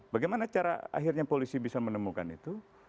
bagaimana cara akhirnya polisi bisa menemukan itu